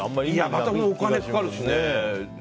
またお金かかるしね。